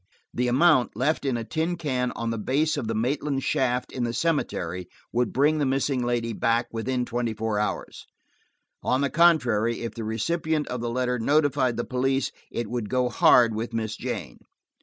The amount, left in a tin can on the base of the Maitland shaft in the cemetery, would bring the missing lady back within twenty four hours. On the contrary, if the recipient of the letter notified the police, it would go hard with Miss Jane.